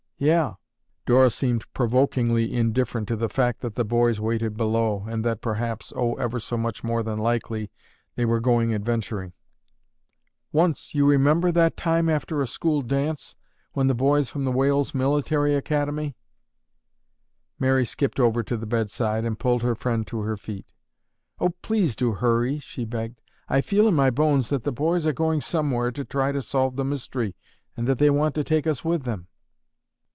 "Yeah." Dora seemed provokingly indifferent to the fact that the boys waited below, and that, perhaps, oh, ever so much more than likely, they were going adventuring. "Once, you remember that time after a school dance when the boys from the Wales Military Academy—" Mary skipped over to the bedside and pulled her friend to her feet. "Oh, please do hurry!" she begged. "I feel in my bones that the boys are going somewhere to try to solve the mystery and that they want to take us with them."